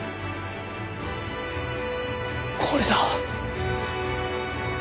これだ。